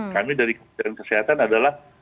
kami dari kementerian kesehatan adalah